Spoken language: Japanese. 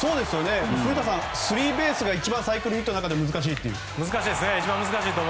古田さん、スリーベースがサイクルヒットの中で一番難しいと。